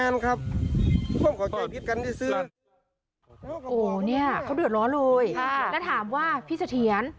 แล้วถามว่าพิสเถียน